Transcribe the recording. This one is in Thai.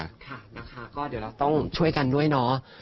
ค่ะนะคะก็เดี๋ยวเราต้องช่วยกันด้วยเนาะ